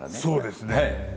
そうですね。